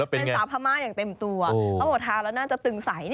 แล้วเป็นยังไงแล้วเป็นสาพม่าอย่างเต็มตัวเพราะว่าธาแล้วน่าจะตึงใส